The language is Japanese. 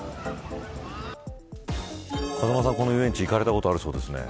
風間さん、この遊園地行かれたことあるそうですね。